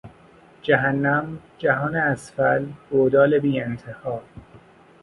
جهنم، جهان اسفل، گودال بیانتها